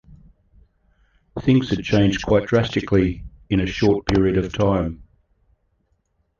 Things had changed quite drastically in a short period of time.